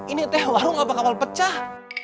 ini teh warung apa kapal pecah